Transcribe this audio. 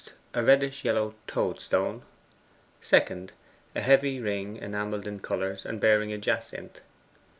A reddish yellow toadstone. 2nd. A heavy ring enamelled in colours, and bearing a jacynth.